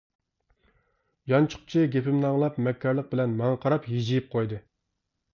يانچۇقچى گېپىمنى ئاڭلاپ مەككارلىق بىلەن ماڭا قاراپ ھىجىيىپ قويدى.